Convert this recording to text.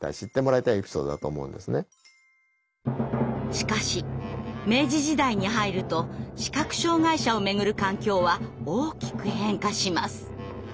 しかし明治時代に入ると視覚障害者をめぐる環境は大きく変化します。